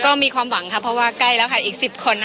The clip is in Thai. ก็มีความหวังค่ะเพราะว่าใกล้แล้วค่ะอีก๑๐คน